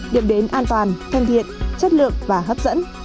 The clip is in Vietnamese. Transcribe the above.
điểm đến an toàn thân thiện chất lượng và hấp dẫn